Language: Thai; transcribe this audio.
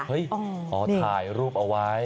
ขอถ่ายรูปเอาไว้